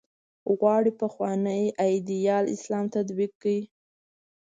غواړي پخوانی ایدیال اسلام تطبیق کړي.